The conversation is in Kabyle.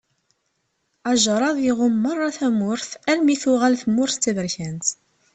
Ajṛad iɣumm meṛṛa tamurt armi i tuɣal tmurt d taberkant.